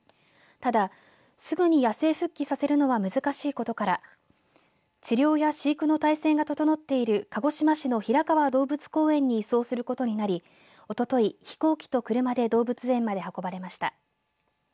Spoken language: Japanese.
ただすぐに野生復帰させるのは難しいことから治療や飼育の体制が整っている鹿児島市の平川動物公園に移送することになりおととい、飛行機と車で動物園まで運ばれました。